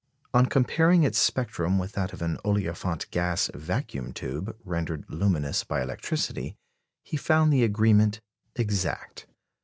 On comparing its spectrum with that of an olefiant gas "vacuum tube" rendered luminous by electricity, he found the agreement exact.